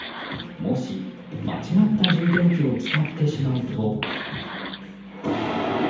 もし、間違った充電器を使ってしまうと。